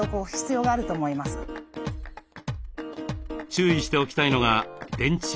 注意しておきたいのが電柱